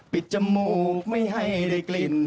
จมูกไม่ให้ได้กลิ่น